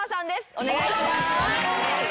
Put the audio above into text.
お願いします。